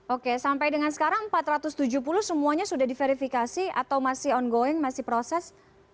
oke sampai dengan sekarang empat ratus tujuh puluh semuanya sudah diverifikasi atau masih ongoing masih proses